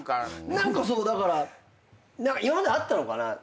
何かそうだから今まであったのかな？